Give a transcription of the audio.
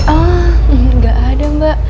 ah gak ada mba